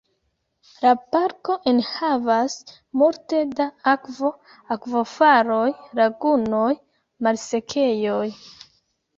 La parko enhavas multe da akvo: akvofaloj, lagunoj, malsekejoj.